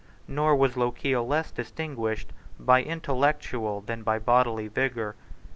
Nor was Lochiel less distinguished by intellectual than by bodily vigour.